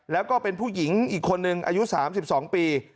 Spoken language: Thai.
แล้วก็เป็นผู้หญิงอีกคนนึงอายุ๓๒ปี